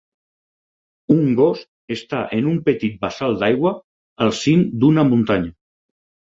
Un gos està en un petit bassal d'aigua al cim d'una muntanya.